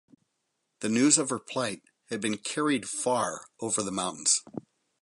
The news of her plight had been carried far over the mountains.